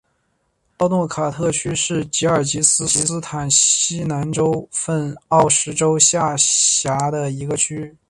诺奥卡特区是吉尔吉斯斯坦西南州份奥什州下辖的一个区。